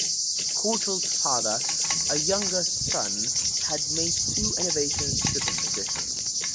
Courtauld's father, a younger son, had made two innovations to the tradition.